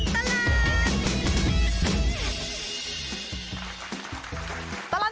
ช่วงตลอดตลาด